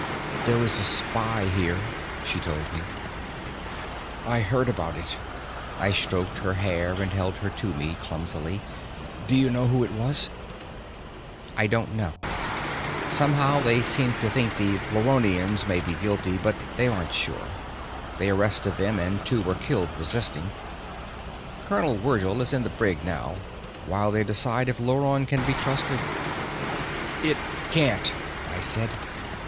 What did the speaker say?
"There is a spy here," she told me. "I heard about it." I stroked her hair and held her to me, clumsily. "Do you know who it was?" "I don't know. Somehow, they seem to think the Luronians may be guilty, but they aren't sure. They arrested them, and two were killed resisting. Colonel Wergil is in the brig now, while they decide if Luron can still be trusted." "It can't," I said.